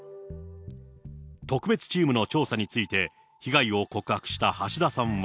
特別チームの調査について被害を告白した橋田さんは。